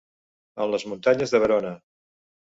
En les muntanyes de Verona.